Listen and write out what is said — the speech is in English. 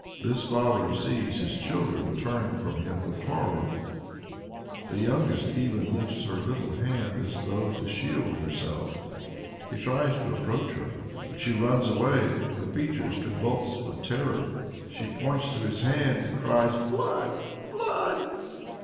This father sees his children turn from him with horror. The youngest even lifts her little hand as though to shield herself. He tries to approach her, but she runs away, her features convulsed with terror. She points to his hands and cries, "Blood! Blood!"